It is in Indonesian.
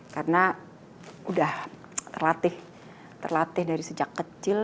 karena sudah terlatih terlatih dari sejak kecil